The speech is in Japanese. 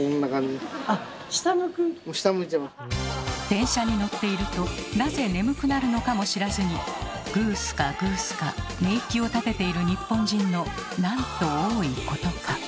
電車に乗っているとなぜ眠くなるのかも知らずにグースカグースカ寝息を立てている日本人のなんと多いことか。